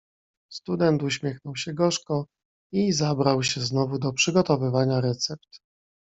"Student uśmiechnął się gorzko i zabrał się znowu do przygotowywania recept."